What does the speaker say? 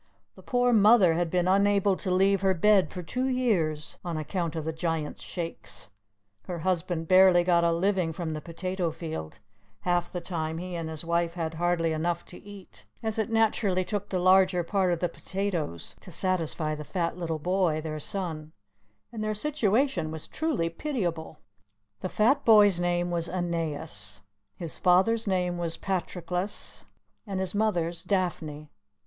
The poor mother had been unable to leave her bed for two years, on account of the Giant's Shakes; her husband barely got a living from the potato field; half the time he and his wife had hardly enough to eat, as it naturally took the larger part of the potatoes to satisfy the fat little boy, their son, and their situation was truly pitiable. The fat boy's name was Aeneas, his father's name was Patroclus, and his mother's Daphne.